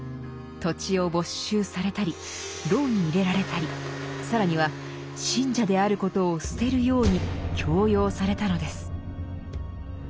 土地を没収されたり牢に入れられたり更には信者であることを捨てるように強要されたのです。